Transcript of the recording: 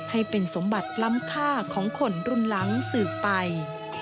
ให้เป็นสมบัติล้ำค่าของคนรุ่นหลังสืบไป